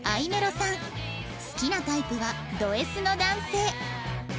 好きなタイプはド Ｓ の男性